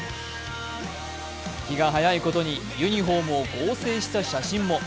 気が早いことにユニフォームを合成した写真も。